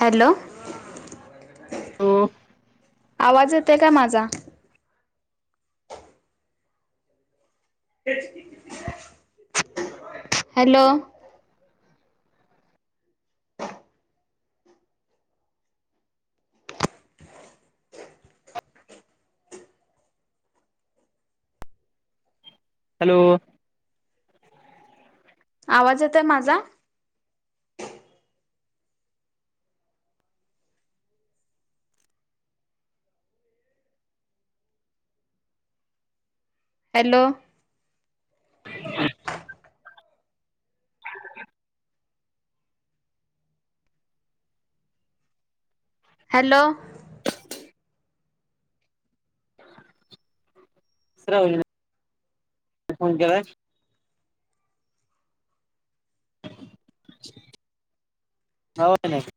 Hello hello आवाज य ते काय माझा ते [inaudible] हॅलो हॅलो आवाज येतोय माझा? हॅलो हॅलो श्रावणी न फोन केलाय. [unintelligible] हो नाही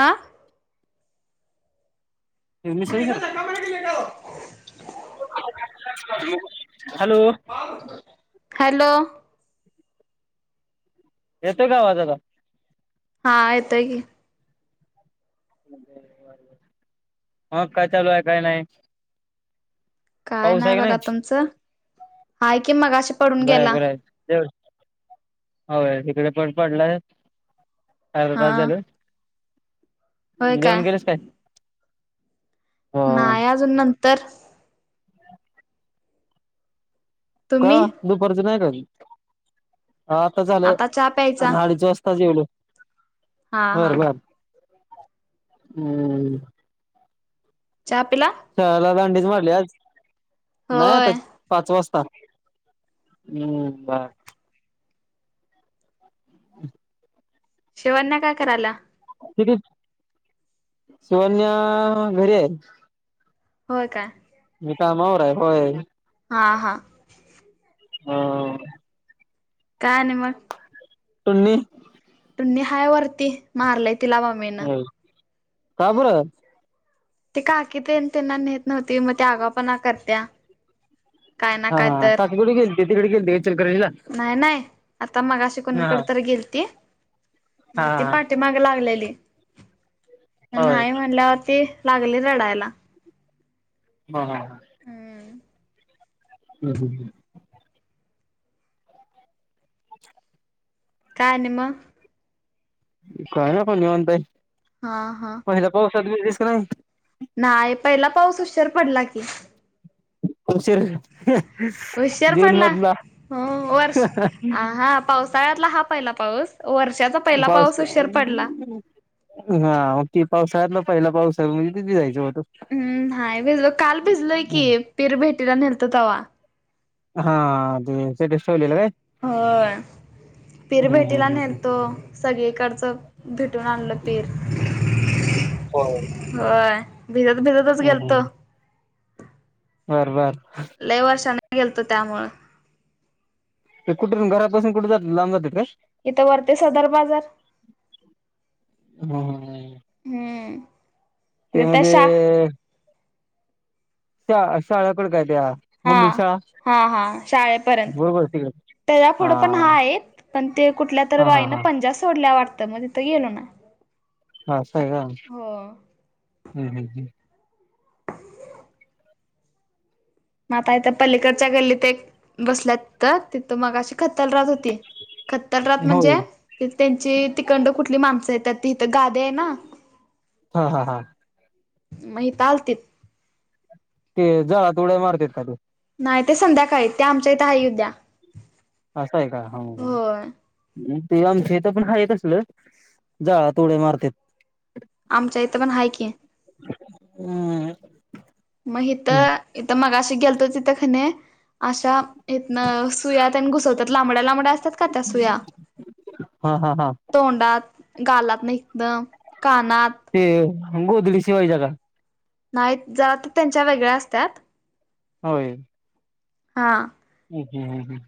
आा [unintelligible] सर [inaudible] हॅलो हॅलो येतंय का आवाज आता? हा येतोय की. हा काय चालू आहे काय नाही? काय पाऊस नाही आहे का बघा तुमचं आहे कि मग आता पडून बरं गेला. [unintelligible] हो इकडे पण पडलाय.. काय ग हा काय झालं जेऊन गेलीस काय? हा नाय अजून नंतर.. का तुम्ही दुपारच नाही का? हा आता झालं चहा प्यायचा अडीच वाजताच जेवल हा हा बरं बर... हम्म चहा पिला शाळाला दंडीच मारली आज नाही आता होय पाच वाजता हम्म बा ह शिवांना काय करायला. त शिवन्या घरी आहे होय काय. मी कामावर आहे होय. हा हां हो. काय नाही मग टुनी हाय वरती मारलाय तिला मम्मी न काबर ते काकी ते त्यांना नेत नव्हती मग त्या आगा पणा करत्या. काय ना काय हा तर काककड गेलते तिकडे गेलते नाही नाही आता मग अशी हा कोणीकडे तर गेलती. हा हा मग ती हा पाठी माग लागलेली. होय नाही म्हणल्यावरती लागली रडायला. हम ह हम्म हम्म हम् हम्. काय आणी म. काय नाही बग निवांत आहे हा हा [unintelligible] यस का नाय. नाही पहिला पाऊस उशीर पडला की तशीर होशर पडला हो वर्ष हा पावसाळ्यातला हा पहिला पाऊस वर्षाचा पहिला पा पाऊस उशीर पडला हा पावसाळातला पहिला पाऊसा म्हजे किती जायचं [unintelligible] हम्म नाहीय भिजल काल भिजलय की पीर भेटीला नेलतो तवा. हा सेलेलं का हो पिर हम्म हम्म भेटीला नेलं हम्म तो. सगळीकडच भेटून आणलं तेेर होय होय भिजत भिजतच गेलतो. बर बर. लईवर्षा न गेलतो त्यामुळ ते कुठून घरापासुन कुठ जात लांब जात काय इथं वरते सदर बाजार हम्म हम्म हम्म ते इथे त्या म्हणजे शा श शाळकड काय त्या हा मम्मी शाळा हा हा शाळेपर्यंत बरोबर तिकडे त्याज्या पुुढं पण हा हाईत पण ते कुठल्या तर हा हा बाईनं हा पंजा सोडल्या वाटत तर मध्येेत ग गलो ना हा स आहे का हम् हो हम् हम् म आता इथ पलीकडच्या गल्लीत एक बसल्यात तीत तिथ मगाशी खतल राहत होती. खतर म्हणजे होय त्यांची तिकडणं कुठली माणसं येतात ते इथं गादया हाय ना हा हा हा मही चालतेत ते जाळात उड्या मारते त... नाही ते संध्याकाळी ते आमच्या इथं आहे उद्या.. असं आहे का होय ह.. ते आमच्या इथ पण हाय असलं जाळात उड्या मारत... आमच्याहीत पण हाय की.. हम्म... मग तर इथं मग अशी गेलतोच इथं कणी... अशा येत ना सुया त्यांनी घुसवतात लांबड्या लांबड्या असतात का त्या सुया... हा हा हा तोंडात गालात इथन कानात... ते गोधडी शिवायची का... नाही ज तर त्यांच्या वेगळ्या असत्यात... हो... हा.. ह हं ह हं...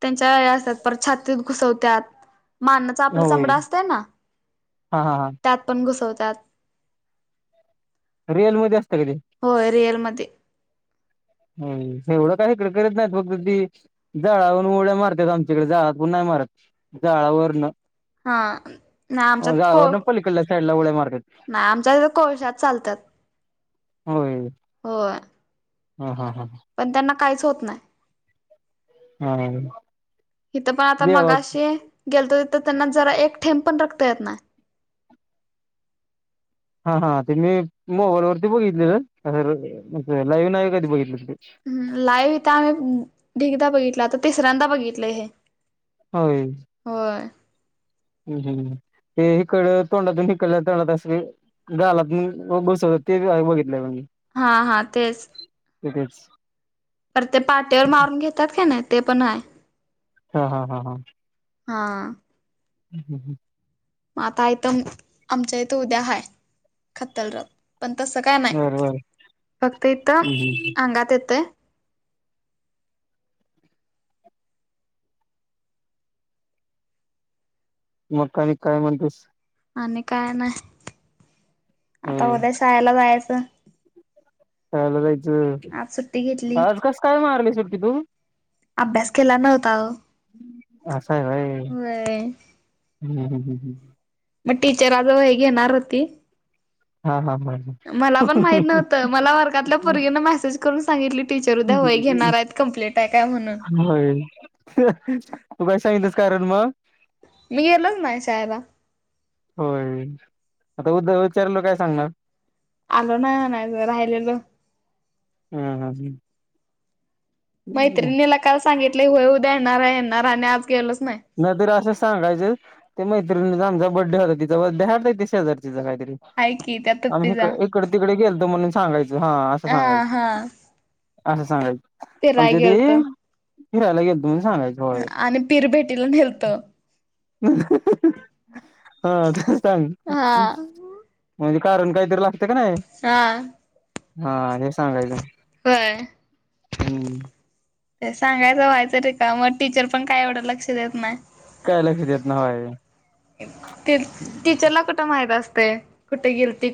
त्यांच्या असतात परत छातीत घुसवतात.. माननाचा आपला होय चमडा असतय ना हा हा हा त्यात पण घुसवत... सात... रिअल मध्ये असत काय ते... होते.. ह एवढं काही इकडे करत नाही फक्त ती जाळावरून उड्या मारतात आमच्याकडे जाळात पण.... म जाळावरण.. हा नाही आमच्यात को.. पलीकडल्या साईडला उड्या मारतात नाही आमच्या तथ कोळशात चालतात.. हो... हो... ह हा... पण त्यांना काहीच होत नाही... हम्म... इथं पण आता मगा शी गेलतो.. तर त्यांना जरा एक थेंब पण रक्त येत नाही... हा हा ते मी मोबाईलवरती बघितलेलं लाईव्ह नाही कधी बघितलं... हम लाईव्ह इथ आम्ही ढिगदा बघितला आता तिसऱ्यांदा बघितलं हे... हो... हम् हम्... ते हिकड तोंडातून हिकड तोंडातून अस गालातून बसवत ते बघितलं म्हणजे... हा हा तेच... बस... तर ते पाटीवर मारून घेतात का नाही ते पण आहे... हा हा हा हा... हा.... हम् हम् हम्.... म आता इथ आमच्या इथं उद्या हाय खत्तलरथ... पण तसं काय नाही बर बर फक्त इथं हम्म अंगात येतय... मग काय काय म्हणतेस आणि काय नाही आता होय उद्या शाळेला जायचं चाल जायचं आज सुट्टी घेतली आज कस काय मारली सुट्टी तू अभ्यास केला नव्हता अच्छा अर हम्म हम हम् ह मग टीचर आज वही घेणार होती हा हा हा मला पण माहीत नव्हत मला वर्गातल्या पर्गीना मेसेज करून सांगितली? टीचर उद्या वही घेणार आहेत कंप्लीट आहे काय म्हणून होय तू काय सांगितस कारण म. मी गेलोच नाही शायला होय आता उद्या विचारल काय सांगणार? आलो नाही अजून राहिलेलं हम्म हम्म मैत्रिणीला काल सांगितलं होय उद्या येणार येणार आणि आज गेल. नाहीत असं सांगायचं ते मैत्रिणीचा आमचा बड्डे होता तिचा बडे हरता तसशेजार तिचा काही तरी हाय की त्या आम्ही तप्पीचा इकडे तिकडे गेलतो म्हणून सांगायचं हा असं हा सांगायचं! हा असं सांगायचं? फिराय आमच्या ते गेलतो फिरायला गेलतो दोन सांगाच होय? तीला नलत हा ते सांग हा म्हज कारण काही तला सहा हा हे सांगायचं हम्म. ते सांगायचं व्हायचं रे का मग टीचर पण काय एवढं लक्ष देत नाही- काय लक्ष देत नाही टीचरला कुठं माहित असत. कुठे गेल्ती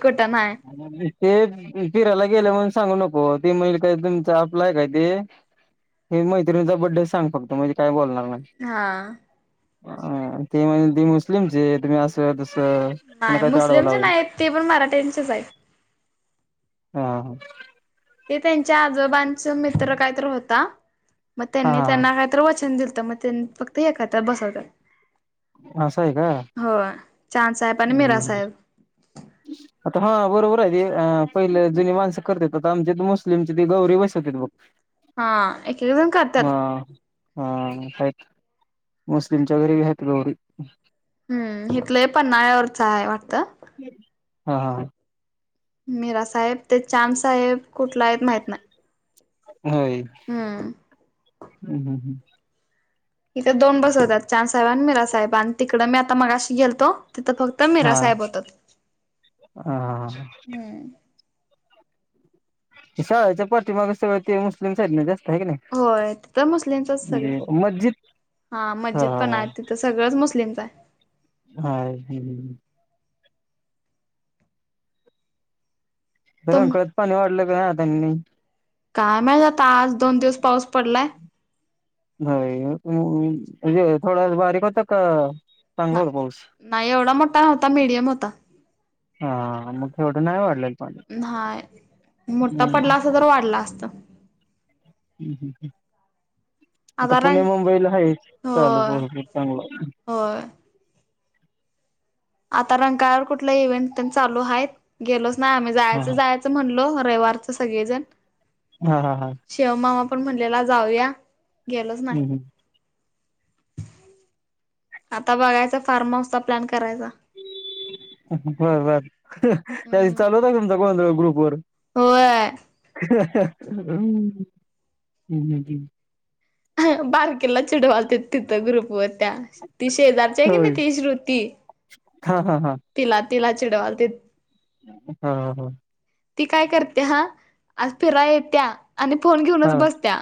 ते फिरायला गेलं म्हणून सांगू नको. हो ते म्ह काय तुमच आपलाय काय ते हे मैत्रिंचा बड्डे सांग फक्त म्हणजे काय बोलणार. हा ह ते म्हणज ते मुस्लिमचे तुम्हीअसं तस पु नाही काही दडव मुस्लिमचे लावल नाहीत ते पण मराठ्यांचेच आहेत हा हा ते त्यांच्या आजोबांच मित्र काहीत होता! मग हा त्यांनी त्यांना काहीतरी वचन दिलं मग फक्त एक करता बसवत असं आहे का? चांद साहेब आणि मीरा साहेब आता हा बरोबर. पहिले जुनी माणसं करतात आता आमच्या मुस्लिमचे ते गौरी बसवत मग! हा एक एक जण करतात हा हा मुस्लिमच्या घरीेबी आहेत लवी? हम् हिथलं पण पळ्यावरचं आहे वाटल? हा मीरा साहेब ते चाद साहेब कुठला आहेत माहित नाही. होय हम्म हम् हम्म ह् इथे दोन बस होतात चांद साहेब आणि मीरा साहेब आणि तिकडं मी आता मगाशी गेलतो. तिथं फक्त मीरा हा साहेब होतात हा हम् शाळेच्या पाठी माग सगळं ते मुस्लिम साईड होय त तर मुस्लिमचच सगळं म्हणजे मस्जिद हा मस्जिद पण आहे तिथं सगळंच मुस्लिमच आहे हा ह् तुम रंकाळ्यात पाणी वाटलं का ह त्यांनी? काय माहित आता आज दोन दिवस पाऊस पडलाय नाही थोडा बारीक होता का? चांगला होता पाऊस? नाही एवढा मोठा होता मीडियम होता हा मग एवढं नाही वाढलेल नाहीय मोठा पडला अस तर वाढला असता हम्म हम् हम् आता पुणे मुंबईला आहे चालू होय पाऊस चागला होय आता रंकाळ्यावर कुठला इव्हेंट चालू आहेत गेलोच नाही आम्ही हा जायच हा जायच म्हणलो रविवार सगळेजण हा हा हा आपण म्हणलेला जाऊया गेलच नाही हम्म आता बघायचा फार्म हाऊसचा प्लॅन करायचा. बर बर त्या दि हम्म. चालू होता तुमचा गोंधळ ग्रुप वर होय हम् ह बारकिला चिडवालतीत तिथे ग्रुप वर ती शेजारची आहे की होय नाही ती श्रुती हा हा हा तिला तिला चिडवालतीत हा हा ती काय करते हा आज फिराय येत्या आणि फोन हा घेऊनच बसत्या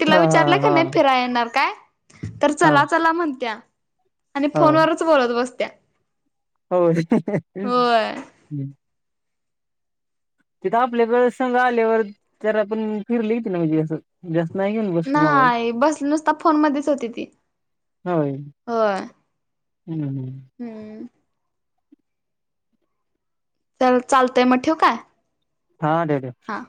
तिला हा हा विचारलं की हा नाही फिराय येणार काय तर हा चला चला म्हणत्या आणि फोनवरच बोलत बसत्या हो [inaudible] होय. हम्म तिथं आपल्याक संघ आल्यावर त्या पण फिरले ये ना म्हणजें जास्त नाही घेऊन बसत मोबाईल नाही बसले नुसता फोन मध्येच होते ती होय. हो हं, हं. हम्म तर चालतंय मग ठेवू काय हा ठेव ठेव हा.